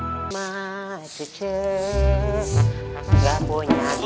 umi sama abah